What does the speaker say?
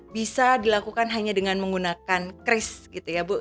bisa dilakukan hanya dengan menggunakan kris gitu ya bu